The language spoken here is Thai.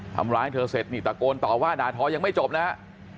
ทำร้ายเธอเสร็จนี่ตะโกนต่อว่าด่าทอยังไม่จบนะฮะ